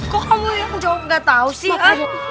kok kamu yang jawab nggak tahu sih kak